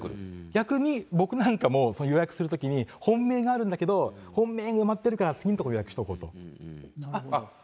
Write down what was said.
逆に僕なんかも、予約するときに本命があるんだけど、本命が埋まってるから次のところ予約しておこうと。